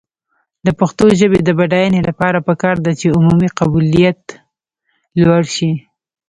د پښتو ژبې د بډاینې لپاره پکار ده چې عمومي قبولیت لوړ شي.